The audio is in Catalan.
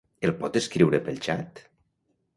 El pot escriure pel xat?